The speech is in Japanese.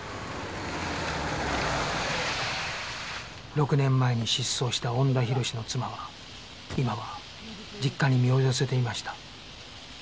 ６年前に失踪した恩田浩の妻は今は実家に身を寄せていました